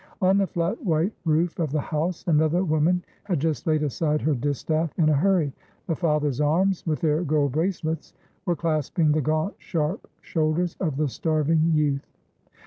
On the flat white roof of the house, another woman had just laid aside her distaff in a hurry. The father's arms with their gold bracelets were clasping the gaunt, sharp shoulders of the starving youth.